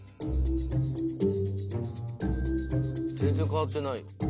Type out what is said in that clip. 全然変わってないよ。